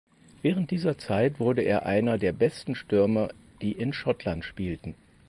Während dieser Zeit wurde er einer der besten Stürmer die in Schottland spielten.